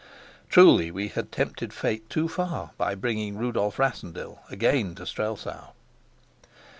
Truly we had tempted fate too far by bringing Rudolf Rassendyll again to Strelsau.